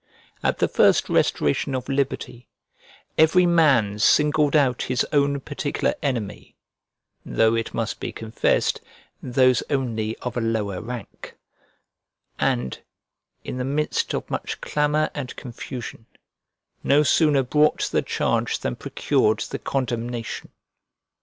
At the first restoration of liberty every man singled out his own particular enemy (though it must be confessed, those only of a lower rank), and, in the midst of much clamour and confusion, no sooner brought the charge than procured the condemnation.